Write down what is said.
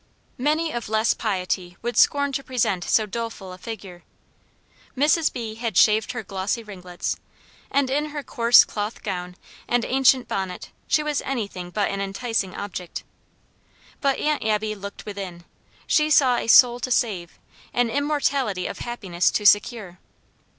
Many of less piety would scorn to present so doleful a figure; Mrs. B. had shaved her glossy ringlets; and, in her coarse cloth gown and ancient bonnet, she was anything but an enticing object. But Aunt Abby looked within. She saw a soul to save, an immortality of happiness to secure.